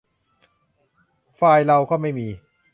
ไฟล์เราก็ไม่มี